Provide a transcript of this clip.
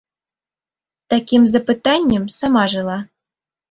Такім запытаннем сама жыла.